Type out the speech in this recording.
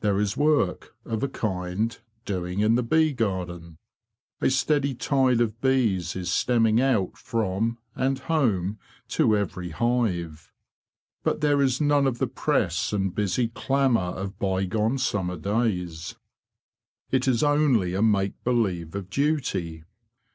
There is work, of a kind, doing in the bee garden. A steady tide of bees is stemming out from and home to every hive. But there is none of the press and busy 170 THE YELLOW PERIL IN HIVELAND 171 clamour of bygone summer days. It is only a make believe of duty.